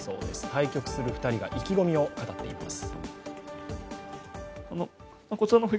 対局する２人が意気込みを語っています。